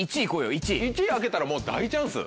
１位開けたらもう大チャンス。